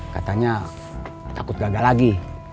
katanya takut gagal lagi